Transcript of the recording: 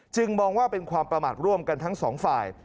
มองว่าเป็นความประมาทร่วมกันทั้งสองฝ่าย